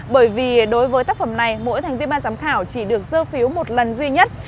bởi vì đối với tác phẩm này mỗi thành viên ban giám khảo chỉ được dơ phiếu một lần duy nhất